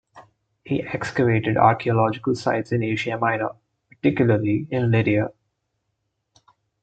He excavated archaeological sites in Asia Minor, particularly in Lydia.